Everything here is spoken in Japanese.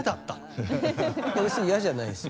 いや別に嫌じゃないですよ。